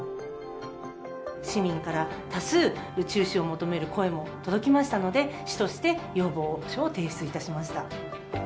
市民から多数、中止を求める声も届きましたので、市として要望書を提出いたしました。